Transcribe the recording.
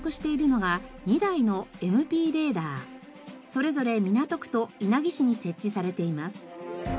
それぞれ港区と稲城市に設置されています。